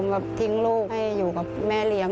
แบบทิ้งลูกให้อยู่กับแม่เลี้ยง